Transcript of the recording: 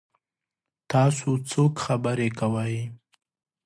تاسو څوک خبرې کوئ؟